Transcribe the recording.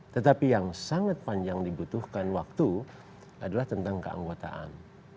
tetapi yang sangat panjang dibutuhkan waktu adalah tentang keanggotaan